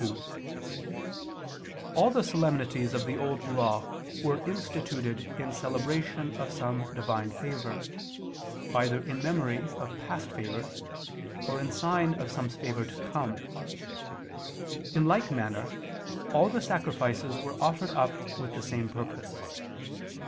2: All the solemnities of the Old Law were instituted in celebration of some Divine favor, either in memory of past favors, or in sign of some favor to come: in like manner all the sacrifices were offered up with the same purpose.